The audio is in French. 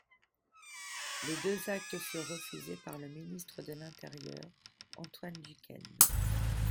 Les deux actes furent refusés par le ministre de l’Intérieur Antoine Duquesne.